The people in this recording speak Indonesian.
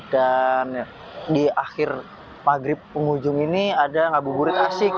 dan di akhir maghrib penghujung ini ada ngabuburit asik